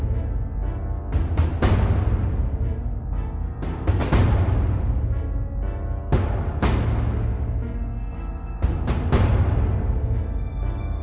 เขาไปแจ้งความแล้วเราไปทำไปอะไรกับเขา